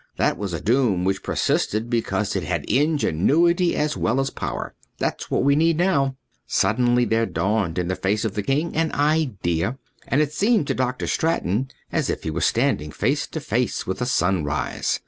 That was a doom which persisted because it had ingenuity as well as power. That's what we need now." Suddenly there dawned in the face of the king an idea, and it seemed to Dr. Straton as if he were standing face to face with a sunrise.